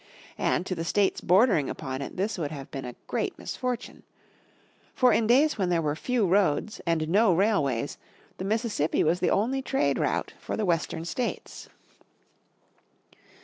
And to the states bordering upon it this would have been a great misfortune. For in days when there were few roads, and no railways, the Mississippi was the only trade route for the Western States.